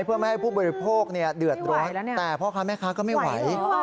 เพื่อไม่ให้ผู้บริโภคเดือดร้อนแต่พ่อค้าแม่ค้าก็ไม่ไหว